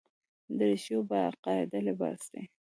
دریشي یو باقاعده لباس دی.